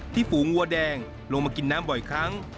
ฝูงวัวแดงลงมากินน้ำบ่อยครั้ง